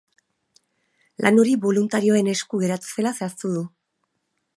Lan hori boluntarioen esku geratu zela zehaztu du.